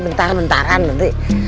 bentar bentaran bentar